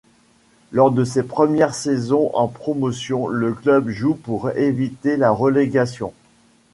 Lors de ses premières saisons en Promotion, le club joue pour éviter la relégation.